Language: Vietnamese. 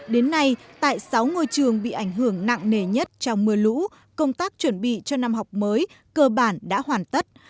đến nay tại sáu ngôi trường bị ảnh hưởng nặng nề nhất trong mưa lũ công tác chuẩn bị cho năm học mới cơ bản đã hoàn tất